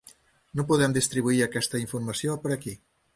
No podem distribuir aquesta informació per aquí.